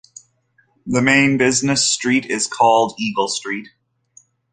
The main business street is called Eagle Street.